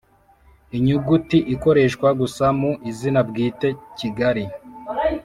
Inyuguti “l” ikoreshwa gusa mu izina bwite “Kigali”,